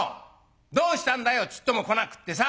どうしたんだよちっとも来なくってさ。